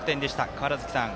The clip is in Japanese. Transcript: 川原崎さん